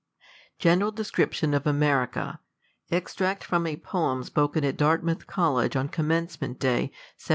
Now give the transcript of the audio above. General DescriptjOiV of America. Extract from a Poem spoken at Dartmouth College, on Commencement Day, 1795.